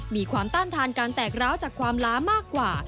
ต้านทานการแตกร้าวจากความล้ามากกว่า